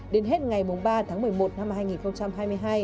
đến hết ngày ba tháng một mươi một năm hai nghìn hai mươi hai